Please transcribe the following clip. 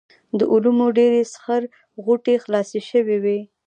د علومو ډېرې سخر غوټې خلاصې شوې وې.